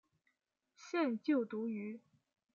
现就读于。